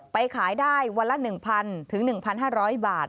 ไปขายได้วันละ๑๐๐๐ถึง๑๕๐๐บาท